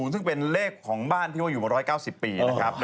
ซึ่งเป็นเลขของบ้านที่ว่าอยู่มา๑๙๐ปีนะครับ